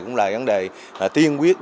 cũng là vấn đề tiên quyết